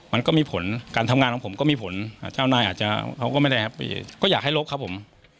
มันก็มีผลการทำงานของผมก็มีผลเจ้านายอาจจะเขาก็ไม่ได้แฮปปี้ก็อยากให้ลบครับผม